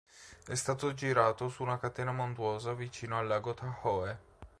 È stato girato su una catena montuosa vicino al lago Tahoe.